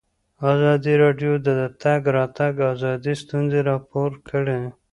ازادي راډیو د د تګ راتګ ازادي ستونزې راپور کړي.